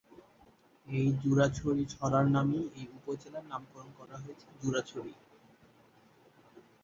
এ জুরাছড়ি ছড়ার নামেই এ উপজেলার নামকরণ হয়েছে "জুরাছড়ি"।